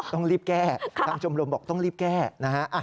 ต้องรีบแก้ทางชมรมบอกต้องรีบแก้นะฮะ